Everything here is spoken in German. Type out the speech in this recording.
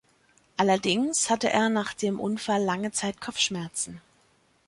Allerdings hatte er nach dem Unfall lange Zeit Kopfschmerzen.